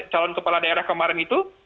calon kepala daerah kemarin itu